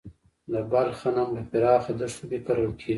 د بلخ غنم په پراخه دښتو کې کرل کیږي.